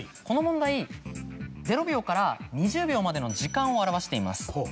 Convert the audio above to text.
この問題０秒から２０秒までの時間を表しています。